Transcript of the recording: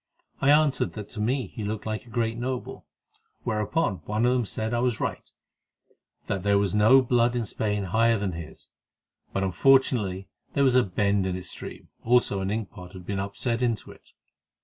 I answered that to me he looked like a great noble, whereon one of them said that I was right, that there was no blood in Spain higher than his, but unfortunately, there was a bend in its stream, also an inkpot had been upset into it."